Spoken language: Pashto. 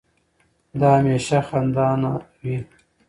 دا هميشه خندانه وي